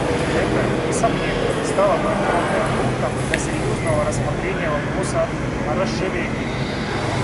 Это, несомненно, стало бы отправным пунктом для серьезного рассмотрения вопроса о расширении.